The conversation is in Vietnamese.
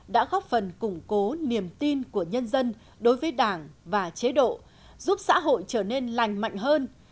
đã góp phần củng cố niềm tin của nhân dân đối với đảng và chế độ giúp xã hội trở nên lành mạnh hơn